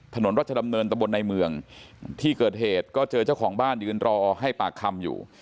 ถนนรัชดำเนินตะบนในเมืองที่เกิดเหตุก็เจอเจ้าของบ้านยืนรอให้ปากคำอยู่